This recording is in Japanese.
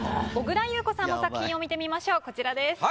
小倉優子さんの作品を見てみましょうこちらです。